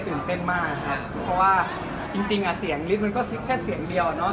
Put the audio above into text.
ตื่นเต้นมากครับเพราะว่าจริงอ่ะเสียงฤทธิ์มันก็แค่เสียงเดียวเนาะ